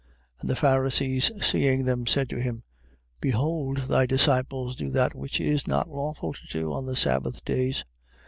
12:2. And the Pharisees seeing them, said to him: Behold thy disciples do that which is not lawful to do on the sabbath days.